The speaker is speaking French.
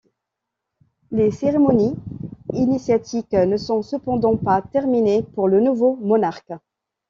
Les cérémonies initiatiques ne sont cependant pas terminées pour le nouveau monarque.